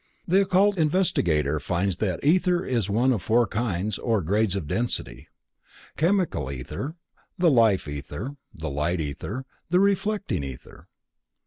The occult investigator finds that ether is of four kinds, or grades of density: The Chemical Ether, The Life Ether, The Light Ether, The Reflecting Ether.